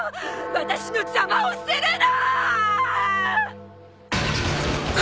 私の邪魔をするな！